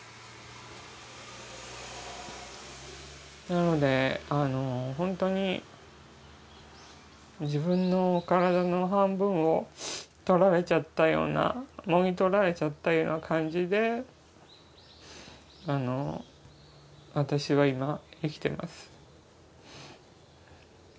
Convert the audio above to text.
なので本当に自分の体の半分を取られちゃったようなもぎ取られちゃったような感じで私は今生きています。